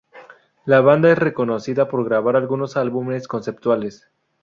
La banda es reconocida por grabar algunos álbumes conceptuales.